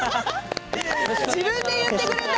自分で言ってくれた。